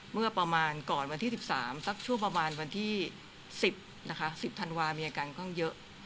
เมื่อประมาณก่อนวันที่๑๓สักช่วงประมาณวันที่๑๐นะคะ๑๐ธันวามีอาการค่อนข้างเยอะ